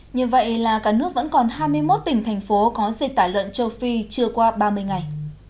như vậy là cả nước vẫn còn hai mươi một tỉnh thành phố có dịch tả lợn châu phi chưa qua ba mươi ngày